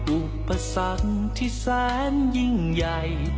อุปสรรคที่แสนยิ่งใหญ่